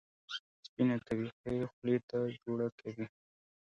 سپینه کوي، ښه یې خولې ته جوړه کوي.